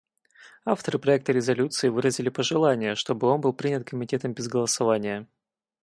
Авторы проекта резолюции выразили пожелание, чтобы он был принят Комитетом без голосования.